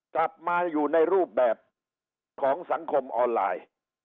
กลับมาอยู่ในรูปแบบของสังคมออนไลน์